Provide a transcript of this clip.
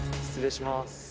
失礼します！